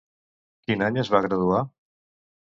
Quin any es va graduar?